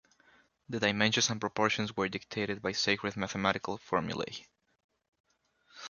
The dimensions and proportions were dictated by sacred mathematical formulae.